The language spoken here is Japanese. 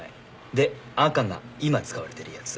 で赤が今使われてるやつ。